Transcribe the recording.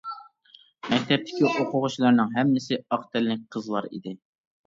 مەكتەپتىكى ئوقۇغۇچىلارنىڭ ھەممىسى ئاق تەنلىك قىزلار ئىدى.